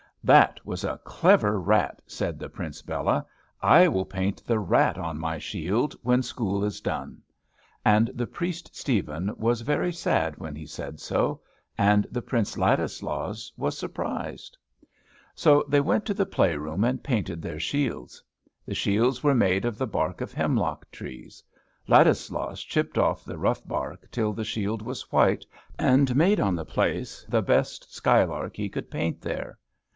"That was a clever rat," said the Prince Bela. "I will paint the rat on my shield, when school is done." And the priest Stephen was very sad when he said so; and the Prince Ladislaus was surprised. So they went to the play room and painted their shields. The shields were made of the bark of hemlock trees. Ladislaus chipped off the rough bark till the shield was white, and made on the place the best sky lark he could paint there.